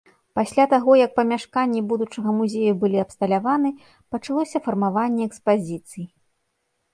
Пасля таго, як памяшканні будучага музею былі абсталяваны, пачалося фармаванне экспазіцый.